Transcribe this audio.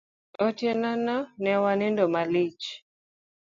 Otieno no, ne wanindo malich.